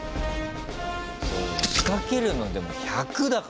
そう仕掛けるのでも１００だからね。